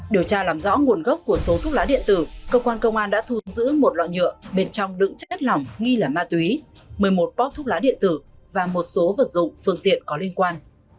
điều tra làm rõ nguồn gốc của số thuốc lá điện tử cơ quan công an đã thu giữ một loại nhựa bên trong đựng chất lỏng nghi là ma túy một mươi một bóp thuốc lá điện tử và một số vật dụng phương tiện có liên quan